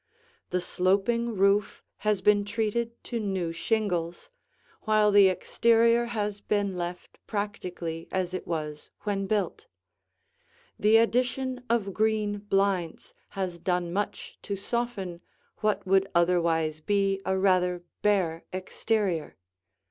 The sloping roof has been treated to new shingles, while the exterior has been left practically as it was when built. The addition of green blinds has done much to soften what would otherwise be a rather bare exterior.